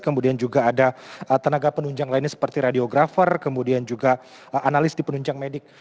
kemudian juga ada tenaga penunjang lainnya seperti radiografer kemudian juga analis di penunjang medik